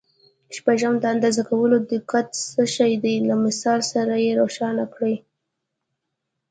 شپږم: د اندازه کولو دقت څه شی دی؟ له مثال سره یې روښانه کړئ.